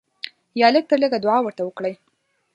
یا لږ تر لږه دعا ورته وکړئ.